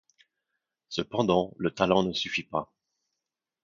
Cependant le talent ne suffit pas.